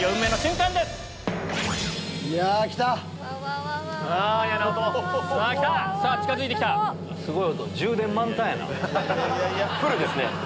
フルですね。